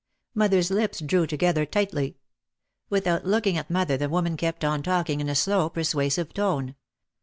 Mother's lips drew together tightly. Without looking at mother the woman kept on talking in a slow persuasive tone.